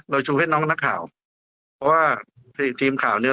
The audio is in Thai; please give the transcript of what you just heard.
ชูให้น้องนักข่าวเพราะว่าทีมข่าวเนี้ย